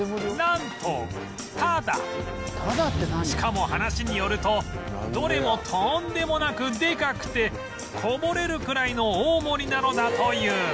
しかも話によるとどれもとんでもなくデカくてこぼれるくらいの大盛りなのだという